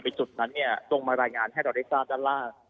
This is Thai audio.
ไปจุดนั้นลงมารายงานให้เราได้รู้ส้าพด้านล่าง